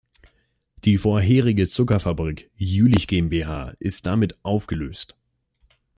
Die vorherige Zuckerfabrik Jülich GmbH ist damit aufgelöst.